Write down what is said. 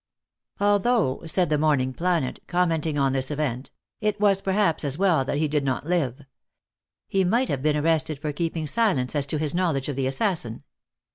"Although," said the Morning Planet, commenting on this event, "it was perhaps as well that he did not live. He might have been arrested for keeping silence as to his knowledge of the assassin.